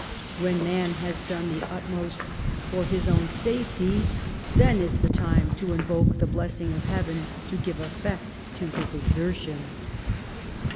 ... When man has done the utmost for his own safety, then is the time to invoke the blessing of Heaven to l^ve effect to his exertions.